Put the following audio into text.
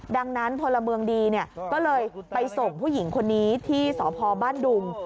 ดังนั้นพลเมืองดีก็เลยไปส่งผู้หญิงคนนี้ที่สพบ้านดุง